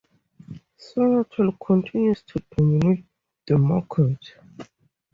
Sonatel continues to dominate the market.